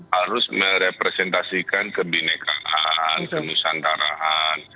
harus merepresentasikan kebinekaan ke nusantaraan